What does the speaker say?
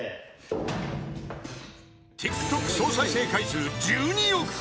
［ＴｉｋＴｏｋ総再生回数１２億回］